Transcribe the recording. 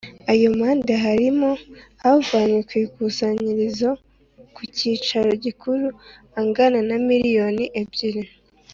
Ayo mande harimo avanywe ku ikusanyirizo ku cyicaro gikuru angana na miliyoni ebyiri